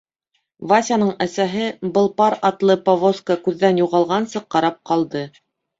Васяның әсәһе был пар атлы повозка күҙҙән юғалғансы ҡарап ҡалды.